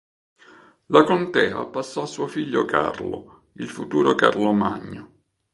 La contea passò a suo figlio Carlo, il futuro Carlo Magno.